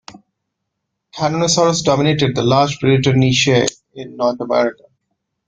Tyrannosaurs dominated the large predator niche in North America.